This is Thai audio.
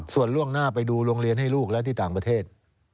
ส่วนล่วงหน้าไปดูโรงเรียนให้ลูกและที่ต่างประเทศ